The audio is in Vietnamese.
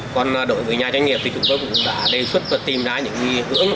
còn đối với nhà doanh nghiệp thì chúng tôi cũng đã đề xuất và tìm ra những hướng